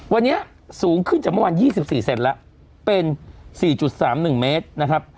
วันนี้สูงขึ้นจากเมื่อวันยี่สิบสี่เซนแล้วเป็นสี่จุดสามหนึ่งเมตรนะครับ